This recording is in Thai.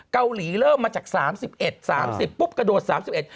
เกาหลีเริ่มมาจากสามสิบเอ็ดสามสิบปุ๊บกระโดดสามสิบเอ็ด